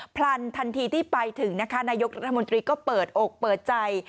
พลันทันทีที่ไปถึงนะคะนายกรัฐมนตรีก็เปิดอกเปิดใจ